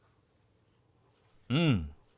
うん。